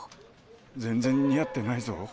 全然似合ってないぞ。